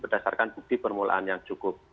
berdasarkan bukti permulaan yang cukup